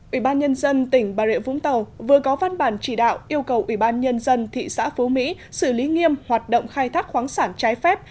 ủy ban nhân dân tỉnh bà rịa vũng tàu vừa có văn bản chỉ đạo yêu cầu ủy ban nhân dân thị xã phú mỹ xử lý nghiêm hoạt động khai thác khoáng sản trái phép